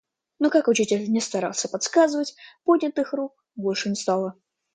Но как учитель не старался подсказывать, поднятых рук больше не стало.